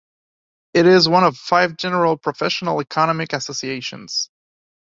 It is one of five general professional economic associations.